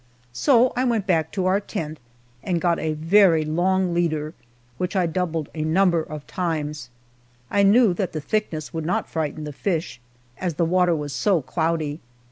So I went back to our tent and got a very long leader, which I doubled a number of times. I knew that the thickness would not frighten the fish, as the water was so cloudy.